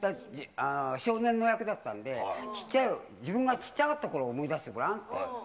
少年の役だったんで、ちっちゃい、自分がちっちゃかったころを思い出してごらんって。